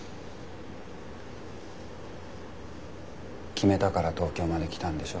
決めたから東京まで来たんでしょ？